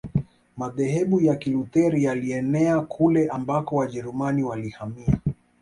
Madhehebu ya Kilutheri yalienea kule ambako Wajerumani walihamia